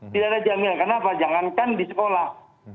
tidak ada jaminan kenapa jangankan di sekolah